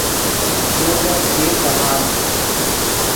یو گپ دیر دہام